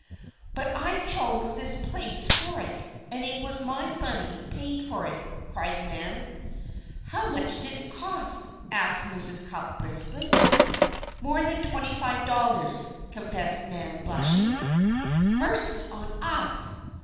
"But I chose this place for it, and it was my money paid for it," cried Nan. "How much did it cost?" asked Mrs. Cupp, briskly. "More than twenty five dollars," confessed Nan, blushing. "Mercy on us!